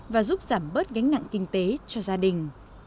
và giúp giảm bớt gánh nặng kinh tế cho gia đình